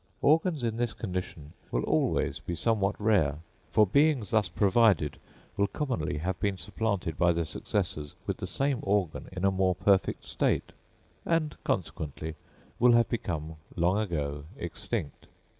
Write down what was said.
Organs in this condition will always be somewhat rare; for beings thus provided will commonly have been supplanted by their successors with the same organ in a more perfect state, and consequently will have become long ago extinct.